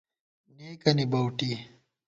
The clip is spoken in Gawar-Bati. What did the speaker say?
نېکَنی بَؤٹی